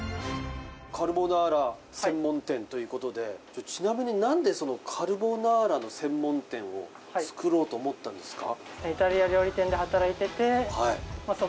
カルボナーラ専門店ということで、ちなみになんでカルボナーラの専門店を作ろうと思ったんですか？